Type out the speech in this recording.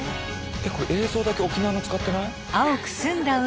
これ映像だけ沖縄の使ってない？